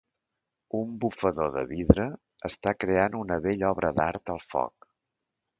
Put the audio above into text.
Un bufador de vidre està creant una bella obra d'art al foc.